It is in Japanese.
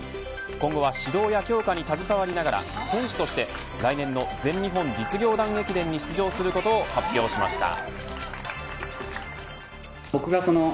今後は指導や強化に携わりながら選手として、来年の全日本実業団駅伝に出場することを発表しました。